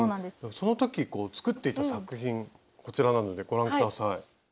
その時作っていた作品こちらなのでご覧下さい。